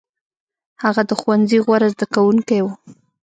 هغه د ښوونځي غوره زده کوونکی و.